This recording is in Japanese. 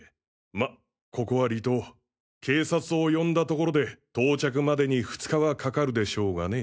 まここは離島警察を呼んだところで到着までに２日はかかるでしょうがね。